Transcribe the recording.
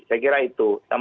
saya kira itu